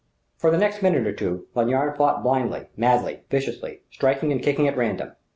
For the next minute or two, Lanyard fought blindly, madly, viciously, striking and kicking at random.